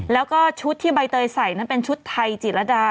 แล้วก็ชุดที่ใบเตยใส่นั้นเป็นชุดไทยจิตรดา